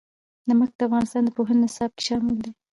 نمک د افغانستان د پوهنې نصاب کې شامل دي.